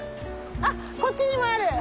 あっこっちにもある！